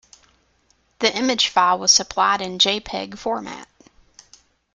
The image file was supplied in jpeg format.